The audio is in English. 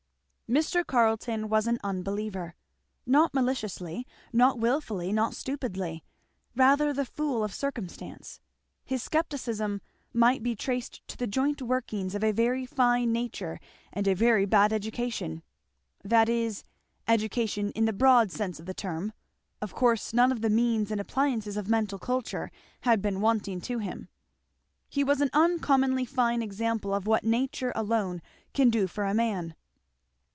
Mr. Carleton was an unbeliever. Not maliciously, not wilfully, not stupidly; rather the fool of circumstance. His skepticism might be traced to the joint workings of a very fine nature and a very bad education. That is, education in the broad sense of the term; of course none of the means and appliances of mental culture had been wanting to him. He was an uncommonly fine example of what nature alone can do for a man.